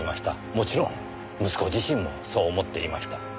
もちろん息子自身もそう思っていました。